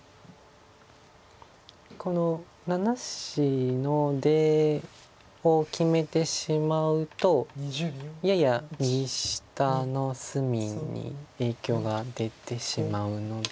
この７子の出を決めてしまうとやや右下の隅に影響が出てしまうので。